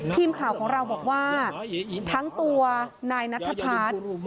ทีมข่าวของเราบอกว่าทั้งตัวนายนัทพัฒน์